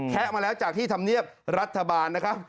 มาแล้วจากที่ธรรมเนียบรัฐบาลนะครับ